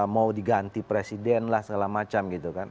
mau diganti presiden lah segala macam gitu kan